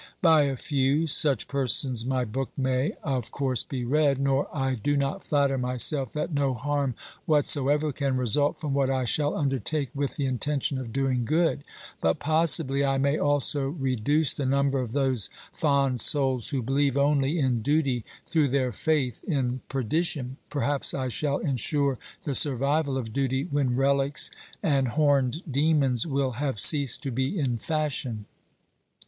By a few such persons my book may, of course, be read, nor I do nut fiatter myself that no harm whatsoever can result from what I shall undertake with the intention of doing good, but possibly I may also reduce the number of those fond souls who believe only in duty through their faith in perdition ; perhaps I shall insure the survival of duty when relics and horned demons will have ceased to be in fashion.